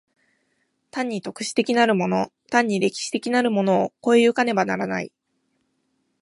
単に特殊的なるもの単に歴史的なるものを越え行かねばならない。